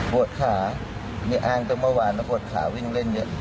บวชขานี่อ้างจนเมื่อวานแล้วบวชขาวิ่งเล่นเยอะ